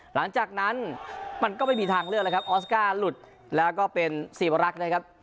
หลังจากนั้นมันก็ไม่มีทางเลือกเลยครับออสการ์หลุดแล้วก็เป็นสีวรักษ์นะครับ